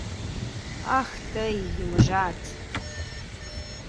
Ах тый, юмыжат!